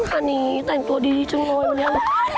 อันนี้แต่งตัวดีจังเลย